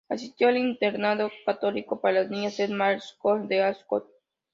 Asistió al internado católico para niñas St Mary's School de Ascot.